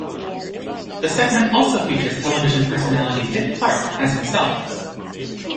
The segment also features television personality Dick Clark as himself.